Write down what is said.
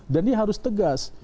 dan dia harus tegas